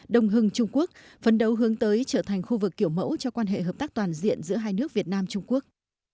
đông hưng trung quốc phấn đấu hướng tới trở thành khu vực kiểu mẫu cho quan hệ hợp tác toàn diện giữa hai nước việt nam trung quốc